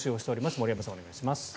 森山さん、お願いします。